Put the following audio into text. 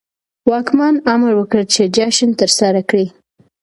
واکمن امر وکړ چې جشن ترسره کړي.